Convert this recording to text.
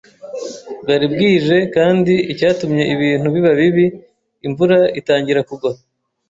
Bwari bwije, kandi, icyatumye ibintu biba bibi, imvura itangira kugwa.